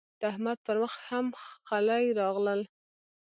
د احمد پر مخ هم خلي راغلل.